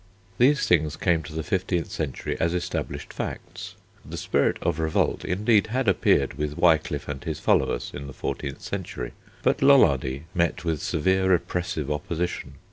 These things came to the fifteenth century as established facts. The spirit of revolt indeed had appeared with Wiclif and his followers in the fourteenth century, but Lollardy met with severe repressive opposition.